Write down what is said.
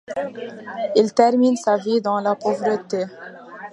Il termine sa vie dans la pauvreté.